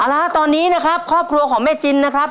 เอาละตอนนี้นะครับครอบครัวของแม่จินนะครับ